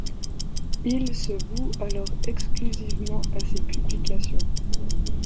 Il se voue alors exclusivement à ses publications.